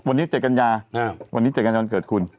วันนี้เจ็ดกัญญาวันนี้เจ็ดกัญญาวันเกิดคุณ